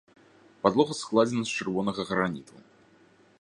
Падлога складзена з чырвонага граніту.